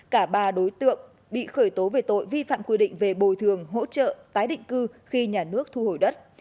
cả ba đối tượng bị khởi tố về tội vi phạm quy định về bồi thường hỗ trợ tái định cư khi nhà nước thu hồi đất